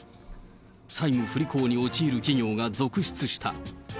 債務不履行に陥る企業が続出した。